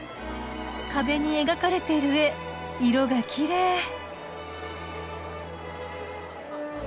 壁に描かれてる絵色がきれい。